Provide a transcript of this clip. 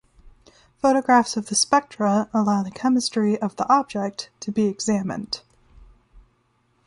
Photographs of the spectra allow the chemistry of the object to be examined.